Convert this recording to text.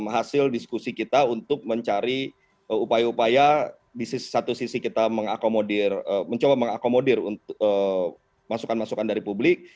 hasil diskusi kita untuk mencari upaya upaya di satu sisi kita mencoba mengakomodir masukan masukan dari publik